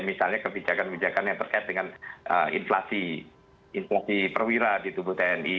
misalnya kebijakan kebijakan yang terkait dengan inflasi perwira di tubuh tni